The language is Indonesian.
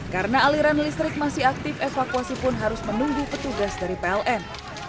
karena aliran listrik masih aktif evakuasi pun harus menunggu petugas dari pln